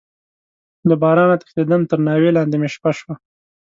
له بارانه تښتيدم، تر ناوې لاندې مې شپه شوه.